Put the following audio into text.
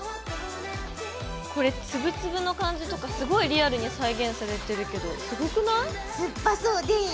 これつぶつぶの感じとかすごいリアルに再現されてるけどすごくない？